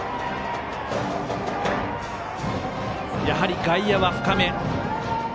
やはり外野は深め。